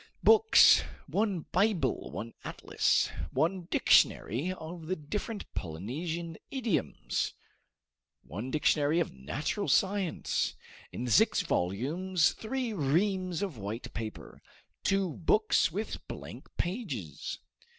Books: 1 Bible, 1 atlas, 1 dictionary of the different Polynesian idioms, 1 dictionary of natural science, in six volumes; 3 reams of white paper, 2 books with blank pages.